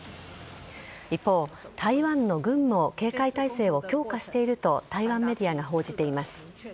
一方、台湾の軍も警戒態勢を強化していると台湾メディアが報じています。